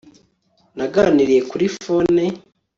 Naganiriye kuri fon